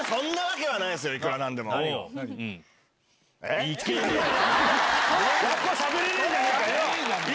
やっぱしゃべれないじゃないいや